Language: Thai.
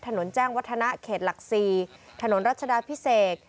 ถนนแจ้งวัฒนะเขตหลัก๔ถนนรัชดาพิเศษ